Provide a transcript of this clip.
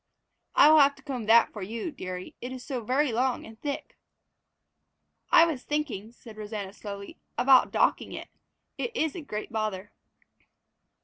"I will have to comb that for you, dearie; it is so very long and thick." "I was thinking," said Rosanna slowly, "about docking it. It is a great bother."